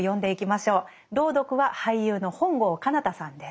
朗読は俳優の本郷奏多さんです。